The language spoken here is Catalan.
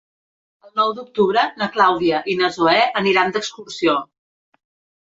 El nou d'octubre na Clàudia i na Zoè aniran d'excursió.